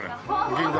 銀座